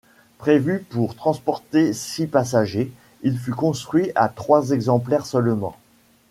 Prévu pour transporter six passagers, il fut construit à trois exemplaires seulement.